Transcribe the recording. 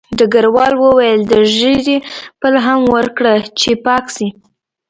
ډګروال وویل د ږیرې پل هم ورکړه چې پاک شي